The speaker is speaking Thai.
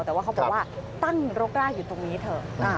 แต่ว่าเขาบอกว่าตั้งรกรากอยู่ตรงนี้เถอะ